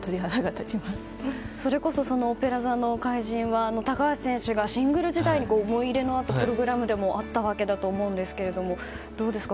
それこそ「オペラ座の怪人」は高橋選手がシングル時代に思い入れのあったプログラムでもあったわけだと思うんですがどうですか。